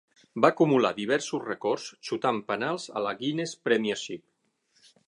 Va acumular diversos records xutant penals a la Guinness Premiership.